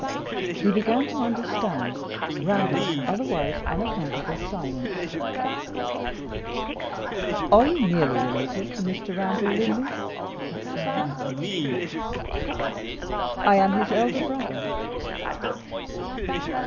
He began to understand Randal's otherwise unaccountable silence. "Are you nearly related to Mr. Randal Linley?" the Captain asked. "I am his elder brother."